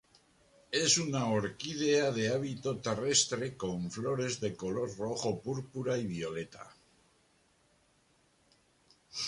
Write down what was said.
Es una orquídea de hábito terrestre con flores de color rojo púrpura y violeta.